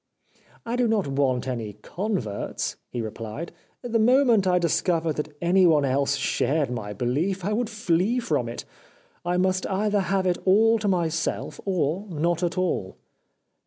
* I do not want any converts,' he replied, * the moment I discovered that anyone else shared my belief I would flee from it, I must either have it all to myself or not at all.'